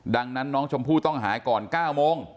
ดังนั้นน้องชมพู่ต้องหายก่อน๙โมง